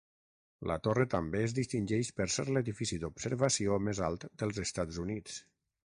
La torre també es distingeix per ser l'edifici d'observació més alt dels Estats Units.